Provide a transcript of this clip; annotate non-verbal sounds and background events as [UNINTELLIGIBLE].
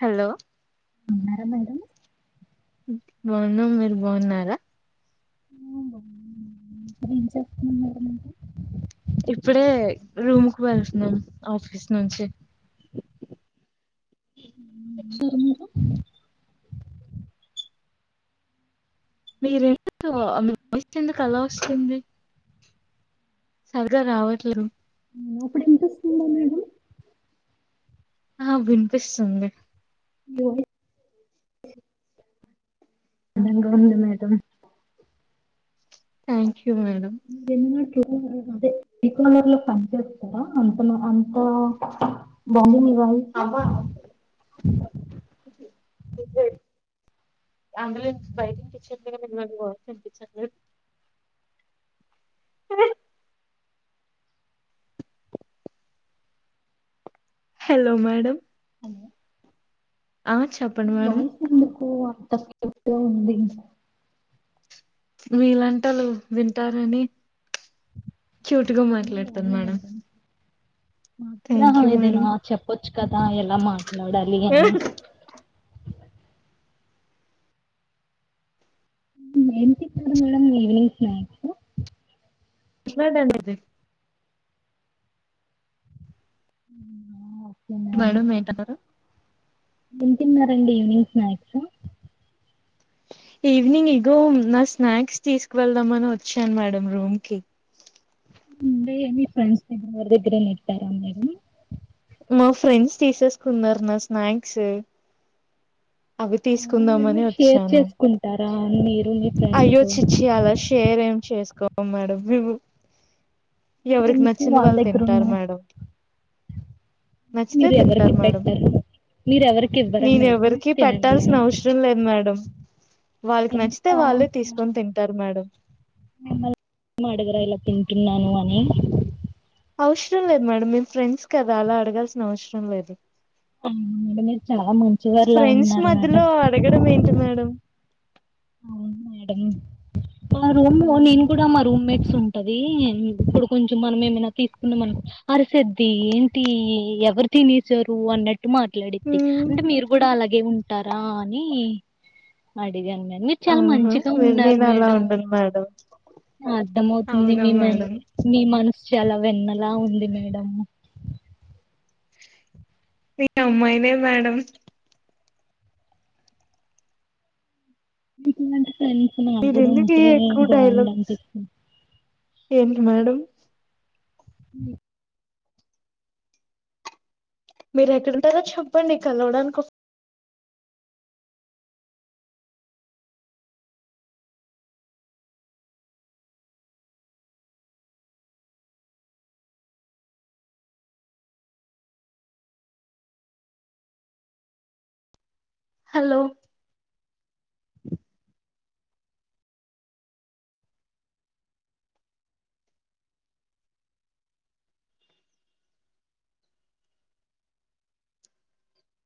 hello ఉన్నర madam బాగున్నామ్ మీరు బాగున్నారా ఇప్పుడ ఏం చేస్తున్నా మేడంంటే ఇప్పుడే రూమ్ కు వెళ్తున్నాం ఆఫీస్ నుంచి ఇంకా ఉన్నారు మీరు మీరెందుకు మీ వాయిస్ ఎందుకు అలా వస్తుంది సరిగా రావట్లేద నేను ఇప్పుడు వినిపిస్తుందా మేడం ఆ వినిపిస్తుంది మీ వాయిస్ అందంగా ఉంది మేడం థాంక మేడం ట అదే త్రీ కనర్ లో పనిచేస్తారా అంత అ బలీ మీ వాయిస్ అమ్మా ఎంబులెన్స్ బైటిం చెపి [UNINTELLIGIBLE] హలో మేడం హలో ఆ చెప్పండి మేడం వయిసు ఎందుకోవా [UNINTELLIGIBLE] ఉంది మీలోటివలు వింటారని చోటుగా మాట్లాడతాను మేడం థ్యాంక్ మా యూ మేడం ఇదేను చెప్పొచ్చు చ్ కదా ఎలామా నోడ అలిగని మ్మ్ ఏం తెచ్చినారు మేడం వేరే స్నాక్స్ [INAUDIBLE] మ్మ్ ఓ మేడమ్ ఏంటన్నారు ఏం తిన్నారండి ఈవినింగ్ స్నాక్స్ ఈవినింగ్ ఇగో నా స్నాక్స్ తీసుక వెళ్దామని వచ్చాను మేడం రూమ్ కి ఇంగ ఏమి ఫ్రెండ్స్ దగ వర దగరే ఇతారా మేడమ్ మా ఫ్రెండ్స్ తీసేసుకున్నారు నా స్నాక్స్ అవి అవునా మీరు తీసుకుందామని మీరు షేర్ వచ్చాను చేసుకుంటా రా మీర్ అయ్యో చి చి అలా షేర్ ఏం చేసుకో మ్మ్ మేడం మేము మరి ఎవరికి ఎందుకు నచ్చింది వాళ్ళ వాళ్ళు దగ్గర తింటారు ఉన్నాయి మేడం నచ్చితే మీరు ఎవరికి తింటారు మేడం పెట్టరు మీరు ఎవరికి ఇవ్వరా నేను మేడం ఎవరికి తినండి పెట్టాల్సిన అని అవసరం లేదు మేడం వాళ్ళకి ఎందుకు నచ్చితే అలా వాళ్ళే అంటున్నారు తీసుకొని తింటారు మేడం టున్నాను అని అవసరం లేదు మేడం మీ ఫ్రెండ్స్ కదా అలా అడగాల్సిన అవసరం లేదు ఆ మేడం మీరు చాలా మంచివారులా ఫ్రెండ్స్ ఉన్నారు మేడం మధ్యలో అడగడం ఏంటి మేడం అవును మేడం మా రూమ్ లో నేను కూడా మా రూమ్ మేట్ చుఉంటది ఇప్పుడు కొంచెం మనం ఏమైనా తీసుకున్నా అనుకో అరిసేద్ది ఏంటి ఎవరు తినేసారు అన్నట్టు మాట్లాడద్ది ఉమ్ అంటే మీరు కూడా అలాగే ఉంటారా అని అడిగాన్ నే మీరు చాలా ఆహా మంచిగా నే- ఉన్నారు నేను అలా మేడం ఉండను మేడం అర్థమవుతుంది అవునా మీ మ మేడం మీ మన సు చాలా వెన్నలా ఉంది మేడం నేను అమ్మాయినే మేడం [UNINTELLIGIBLE] దంట ఫ్రెండ్స్ నాకు కూడా మీరెందుకు ఉంటే ఎక్కువ బాగుండు డైలాగ్ అనిపిస్తుంది ఏంటి మేడం మ్మ్ మీరు ఎక్కడంటారో చెప్పండి కలవడానికి హలో